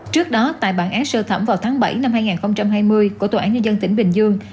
trước đó tại bản án sơ thẩm vào tháng bảy năm hai nghìn hai mươi của tòa án nhân dân tỉnh bình dương